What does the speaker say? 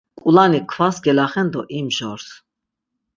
K̆ulani kvas gelaxen do imjors.